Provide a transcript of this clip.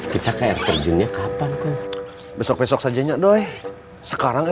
kita kayak terjunnya kapan kum besok besok sajanya doi sekarang ya